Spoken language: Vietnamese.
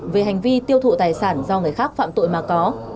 về hành vi tiêu thụ tài sản do người khác phạm tội mà có